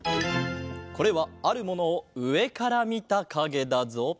これはあるものをうえからみたかげだぞ。